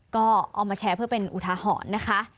ก็เอามาแชร์เพื่อเป็นอุทาหรณ์นะคะ